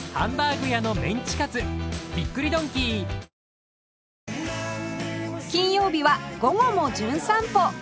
ニトリ金曜日は『午後もじゅん散歩』